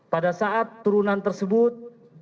pada saat turunan tersebut